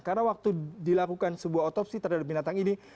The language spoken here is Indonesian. karena waktu dilakukan sebuah otopsi terhadap binatang ini